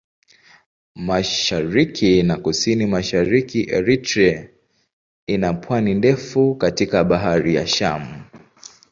Mashariki na Kusini-Mashariki Eritrea ina pwani ndefu katika Bahari ya Shamu.